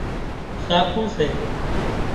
ساڪُو سي